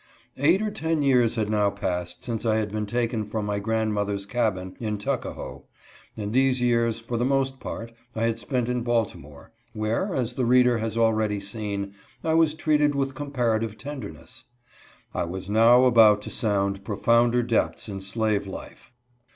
Eight or ten years had now passed since I had been taken from my grandmother's cabin in Tuckahoe; and these years, for the most part, I had spent in Baltimore, where, as the reader has already seen, I was treated with comparative tenderness. I was now about to sound profounder depths in slave life.